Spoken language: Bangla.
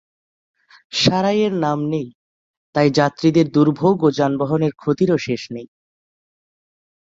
সারাইয়ের নাম নেই, তাই যাত্রীদের দুর্ভোগ ও যানবাহনের ক্ষতিরও শেষ নেই।